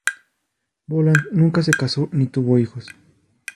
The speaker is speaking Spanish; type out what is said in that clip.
Boland nunca se casó ni tuvo hijos.